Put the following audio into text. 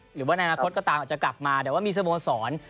หรือว่าในอนาคตก็ตามอาจจะกลับมาแต่ว่ามีสโมสร